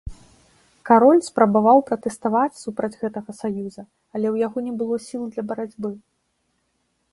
Кароль спрабаваў пратэставаць супраць гэтага саюза, але ў яго не было сіл для барацьбы.